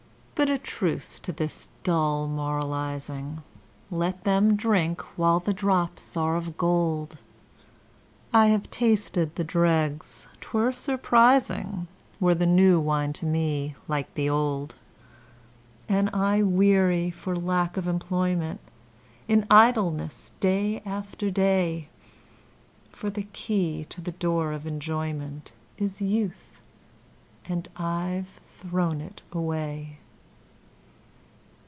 But a truce to this dull moralising, Let them drink while the drops are of gold, I have tasted the dregs 'twere surprising Were the new wine to me like the old; And I weary for lack of employment In idleness day after day, For the key to the door of enjoyment Is Youth and I've thrown it away.